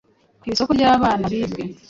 ku isoko ry'abana bibwe